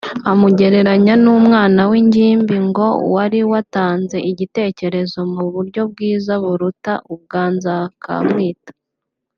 amugereranya n’umwana w’ingimbi ngo wari watanze igitekerezo mu buryo bwiza buruta ubwa Nzakamwita